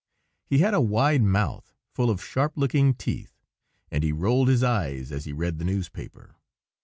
He had a wide mouth, full of sharp looking teeth, and he rolled his eyes as he read the newspaper.